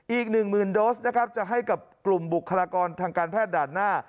อีกหนึ่งหมื่นโดสนะครับจะให้กับกลุ่มบุคลากรทางการแพทย์ด่านหน้า